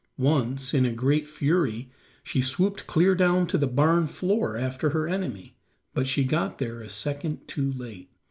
Once, in a great fury she swooped clear down to the barn floor after her enemy, but she got there a second too late.